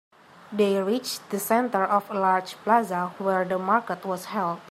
They reached the center of a large plaza where the market was held.